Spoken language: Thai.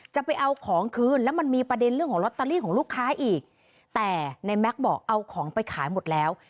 จะเอาของคืนแล้วมันมีประเด็นเรื่องของลอตเตอรี่ของลูกค้าอีกแต่ในแม็กซ์บอกเอาของไปขายหมดแล้ว